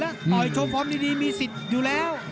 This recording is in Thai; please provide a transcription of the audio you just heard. โตยโชว์ฟร้อมดีมีสิทธิ์อยู่แล้ว